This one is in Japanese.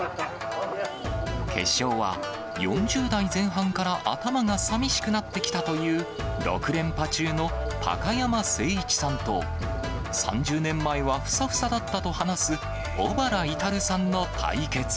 決勝は、４０代前半から頭がさみしくなってきたという、６連覇中の高山誠一さんと、３０年前はふさふさだったと話す、小原至さんの対決。